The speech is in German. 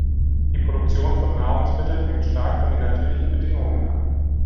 Die Produktion von Nahrungsmitteln hängt stark von den natürlichen Bedingungen ab.